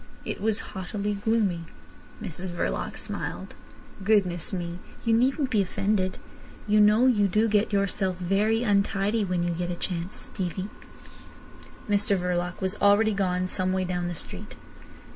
It was haughtily gloomy. Mrs Verloc smiled. "Goodness me! You needn't be offended. You know you do get yourself very untidy when you get a chance, Stevie." Mr Verloc was already gone some way down the street.